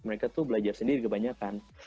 mereka tuh belajar sendiri kebanyakan